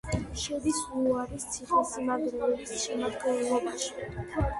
შედის ლუარის ციხესიმაგრეების შემადგენლობაში.